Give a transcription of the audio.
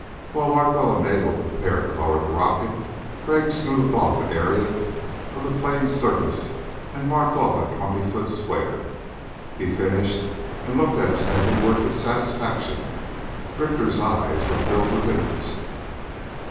While Larkwell and Nagel prepared to lower the rocket Crag smoothed off an area of the plain's surface and marked off a twenty foot square. He finished and looked at his handiwork with satisfaction. Richter's eyes were filled with interest.